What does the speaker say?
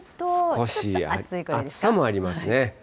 少し暑さもありますね。